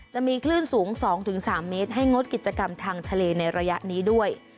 จะมีคลื่นสูง๒๓เมตรให้งดกิจกรรมทางทะเลในระยะนี้ด้วย